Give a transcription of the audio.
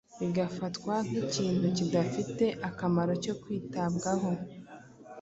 bigafatwa nk’ikintu kidafite akamaro cyo kwitabwaho.